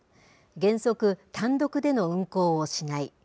原則、単独での運航をしない。